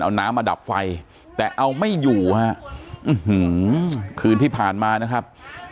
เอาน้ำมาดับไฟแต่เอาไม่อยู่ฮะคืนที่ผ่านมานะครับ